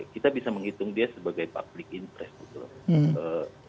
kita bisa menghitung dia sebagai public interest gitu loh